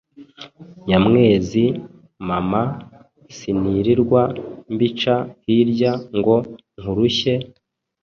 Nyamwezi: Mama, sinirirwa mbica hirya ngo nkurushye,